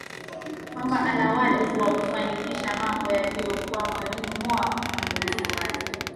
kwamba ana wajibu wa kufanikisha mambo yaliyokuwa moyoni mwa mtangulizi wake